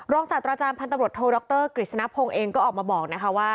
ศาสตราจารย์พันธบรวจโทรดรกฤษณพงศ์เองก็ออกมาบอกนะคะว่า